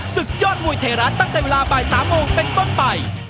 ศึกยอดมวยไทยรัฐตั้งแต่เวลาบ่าย๓โมงเป็นต้นไป